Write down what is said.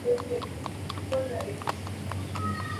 usioweza kudhibitiwa ambao unaweza kutatuliwa tu kwa mapinduzi